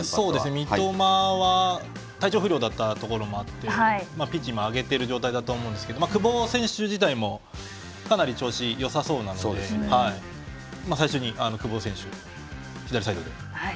三笘は体調不良だったところもあってピッチを今上げている状態だと思いますが久保選手自体もかなり調子がよさそうなので最初に久保選手、左サイドで。